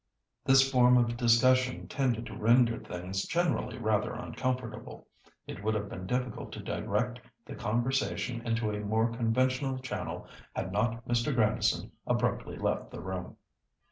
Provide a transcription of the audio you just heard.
This form of discussion tended to render things generally rather uncomfortable. It would have been difficult to direct the conversation into a more conventional channel had not Mr. Grandison abruptly left the room.